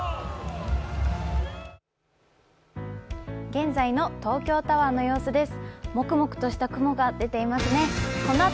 現在の東京タワーの様子です。